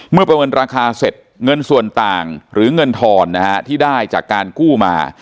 ประเมินราคาเสร็จเงินส่วนต่างหรือเงินทอนนะฮะที่ได้จากการกู้มา